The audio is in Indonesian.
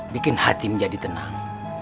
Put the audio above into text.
bikin hati menjadi tenang